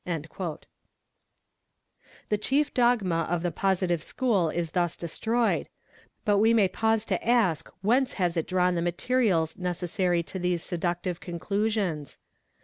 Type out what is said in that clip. E The chief dogma of the positive school is thus destroyed, but we may pause to ask whence has it drawn the materials necessary to these seductive conclusions.